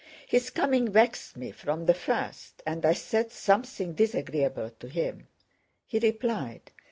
His coming vexed me from the first, and I said something disagreeable to him. He replied.